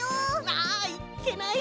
ああいっけない！